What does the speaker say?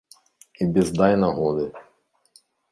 І без дай нагоды.